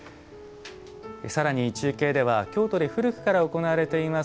さらに中継では京都で古くから行われています